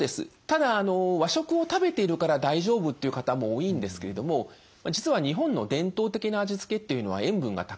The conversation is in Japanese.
ただ和食を食べているから大丈夫という方も多いんですけれども実は日本の伝統的な味付けっていうのは塩分が高いです。